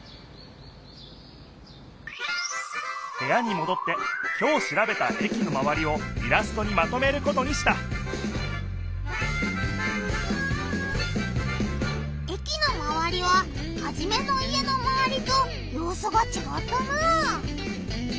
へやにもどってきょうしらべた駅のまわりをイラストにまとめることにした駅のまわりはハジメの家のまわりとようすがちがったな。